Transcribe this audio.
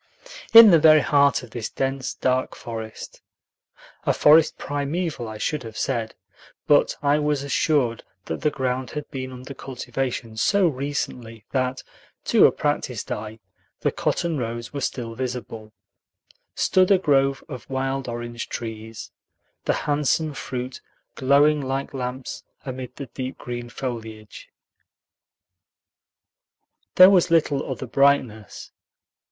In the very heart of this dense, dark forest (a forest primeval, I should have said, but I was assured that the ground had been under cultivation so recently that, to a practiced eye, the cotton rows were still visible) stood a grove of wild orange trees, the handsome fruit glowing like lamps amid the deep green foliage. There was little other brightness.